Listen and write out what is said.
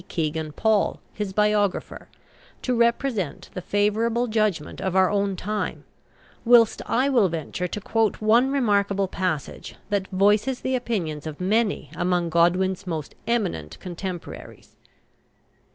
Kegan Paul, his biographer, to represent the favourable judgment of our own time, whilst I will venture to quote one remarkable passage that voices the opinions of many among Godwin's most eminent contemporaries.